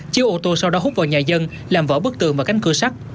chiếc ô tô sau đó hút vào nhà dân làm vỡ bức tường và cánh cửa sắt